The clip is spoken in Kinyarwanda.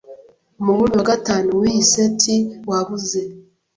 Umubumbe wa gatanu wiyi seti wabuze.